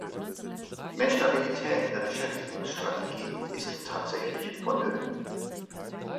Mehr Stabilität in der Beschäftigungsstrategie ist tatsächlich vonnöten.